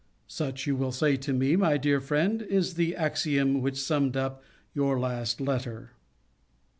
Such, you will say to me, dear friend, is the axiom which summed up your last letter.